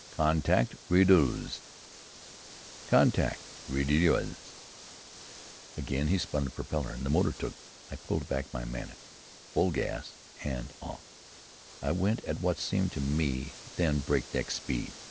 "Contact, reduisez." "Contact, reduisez." Again he spun the propeller, and the motor took. I pulled back my manet, full gas, and off I went at what seemed to me then breakneck speed.